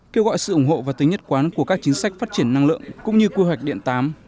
kêu gọi sự ủng hộ và tính nhất quán của các chính sách phát triển năng lượng cũng như quy hoạch điện tám